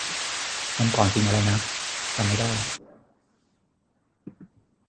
วันก่อนกินอะไรนะ จำไม่ได้